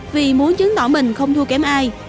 vì muốn chứng tỏ mình không thua kém ai